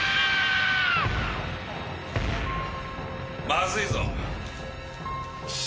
まずいぞ。